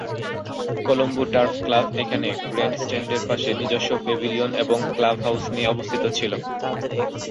Colombo turf club এখানে grand স্ট্যান্ডের পাশে নিজস্ব প্যাভিলিয়ন এবং ক্লাব হাউস নিয়ে অবস্থিত ছিল।